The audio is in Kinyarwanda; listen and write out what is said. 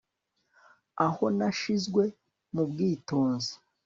Aho nashizwe mu bwitonzi